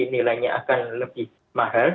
nilainya akan lebih mahal